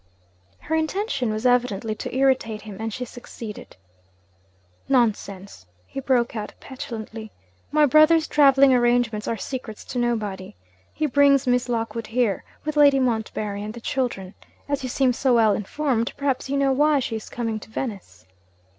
Her intention was evidently to irritate him; and she succeeded. 'Nonsense!' he broke out petulantly. 'My brother's travelling arrangements are secrets to nobody. He brings Miss Lockwood here, with Lady Montbarry and the children. As you seem so well informed, perhaps you know why she is coming to Venice?'